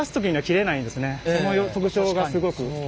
その特徴がすごく。